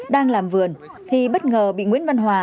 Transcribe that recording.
đang làm vườn thì bất ngờ bị nguyễn văn hòa